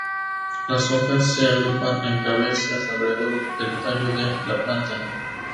Las hojas se agrupan en cabezas alrededor del tallo de la planta.